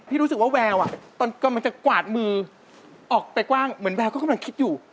รู้สึกว่าแววตอนกำลังจะกวาดมือออกไปกว้างเหมือนแววก็กำลังคิดอยู่